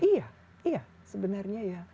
iya sebenarnya ya